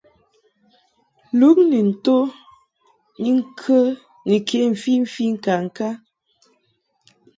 Luŋ ni nto ni ke mfimfi ŋkaŋka.